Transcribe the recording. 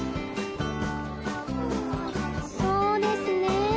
うんそうですね。